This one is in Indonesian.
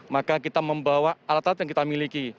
maka kita membawa alat alat yang kita miliki